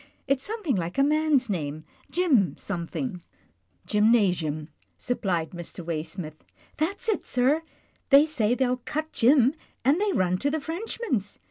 It's something like a man's name — Jim something." HIS ONLY SON 69 " Gymnasium," supplied Mr. Waysmith. " That's it, sir, they say they'll ' cut Jim,' and they run to the Frenchman's.